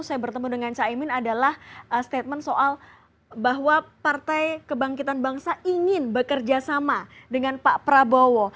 saya bertemu dengan caimin adalah statement soal bahwa partai kebangkitan bangsa ingin bekerja sama dengan pak prabowo